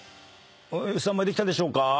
スタンバイできたでしょうか？